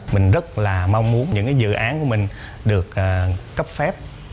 mình rất là mong muốn những cái dự án của mình được cấp phép